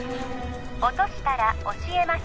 落としたら教えます